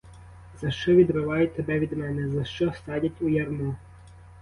За що відривають тебе від мене, за що садять у ярмо?